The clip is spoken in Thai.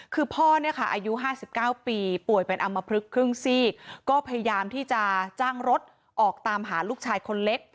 คือพ่อเนี่ยค่ะอายุ๕๙ปีป่วยเป็นอำมพลึกครึ่งซีกก็พยายามที่จะจ้างรถออกตามหาลูกชายคนเล็ก